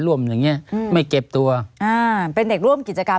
อย่างเงี้อืมไม่เก็บตัวอ่าเป็นเด็กร่วมกิจกรรม